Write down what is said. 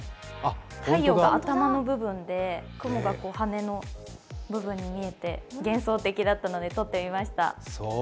太陽が頭の部分で雲が羽の部分に見えて幻想的だったので撮ってみました。